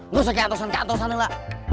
gak usah keantosan keantosan hela